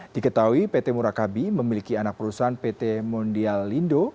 diketahui pt murakabi memiliki anak perusahaan pt mondial lindo